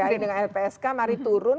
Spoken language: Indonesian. mari dengan lpsk mari turun